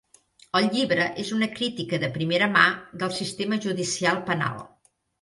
El llibre és una crítica de primera mà del sistema judicial penal.